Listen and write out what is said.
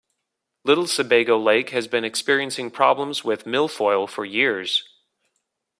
Little Sebago Lake has been experiencing problems with milfoil for years.